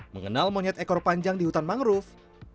mengenal monyet ekor panjang di hutan mangrove